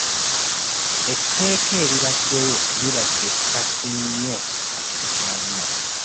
Etteeka eribaddewo libadde kkadde nnyo nga terikyaluma.